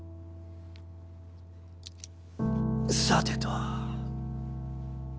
さてと。